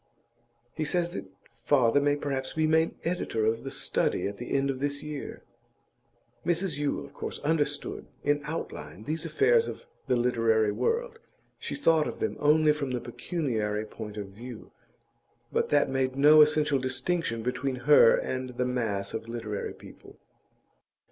He says that father may perhaps be made editor of The Study at the end of this year.' Mrs Yule, of course, understood, in outline, these affairs of the literary world; she thought of them only from the pecuniary point of view, but that made no essential distinction between her and the mass of literary people.